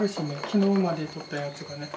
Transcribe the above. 昨日までとったやつがね。